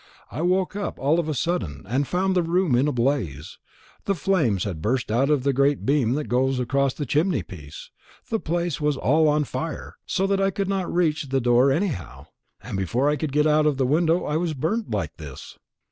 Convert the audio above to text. I woke up all of a sudden, and found the room in a blaze. The flames had burst out of the great beam that goes across the chimney piece. The place was all on fire, so that I couldn't reach the door anyhow; and before I could get out of the window, I was burnt like this.